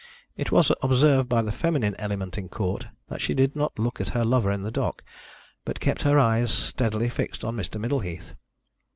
It was observed by the feminine element in court that she did not look at her lover in the dock, but kept her eyes steadily fixed on Mr. Middleheath.